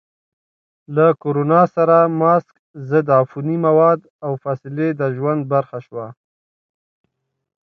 له کرونا سره ماسک، ضد عفوني مواد، او فاصلې د ژوند برخه شوه.